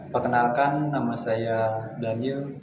perkenalkan nama saya daniel